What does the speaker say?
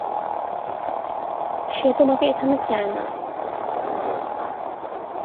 সে তোমাকে এখানে চায় না!